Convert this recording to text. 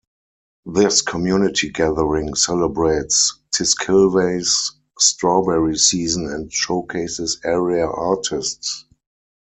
This community gathering celebrates Tiskilwa's strawberry season and showcases area artists.